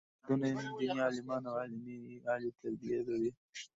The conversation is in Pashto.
اولادونه یې نن دیني عالمان او عالي تربیه لري.